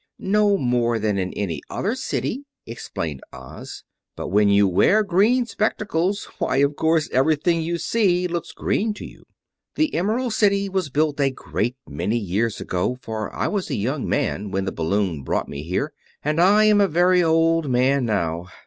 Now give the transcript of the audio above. "No more than in any other city," replied Oz; "but when you wear green spectacles, why of course everything you see looks green to you. The Emerald City was built a great many years ago, for I was a young man when the balloon brought me here, and I am a very old man now.